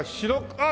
あっ！